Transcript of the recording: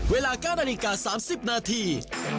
เวลาก้านอนิกา๓๐นาที